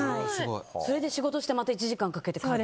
それで仕事してまた１時間かけて帰るの？